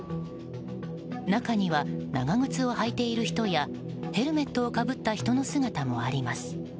中には、長靴を履いている人やヘルメットをかぶった人の姿もあります。